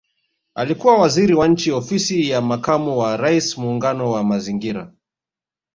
Alikuwa Waziri wa Nchi Ofisi ya Makamu wa Rais Muungano na Mazingira